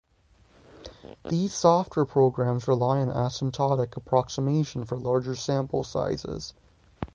These software programs rely on asymptotic approximation for larger sample sizes.